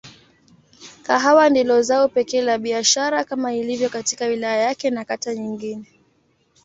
Kahawa ndilo zao pekee la biashara kama ilivyo katika wilaya yake na kata nyingine.